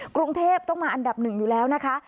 กรุงเทพต้องมาอันดับหนึ่งอยู่แล้วนะคะ